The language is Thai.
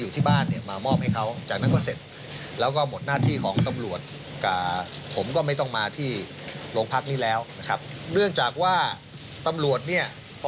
ที่สีม่วงที่อีฟ